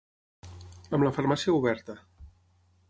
Amb la farmàcia oberta.